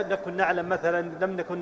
dengan kekuatan yang sangat menarik